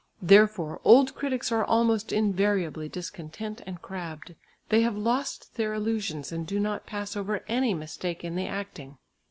Therefore old critics are almost invariably discontent and crabbed. They have lost their illusions and do not pass over any mistake in the acting.